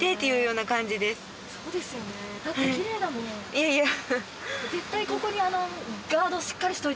いやいや。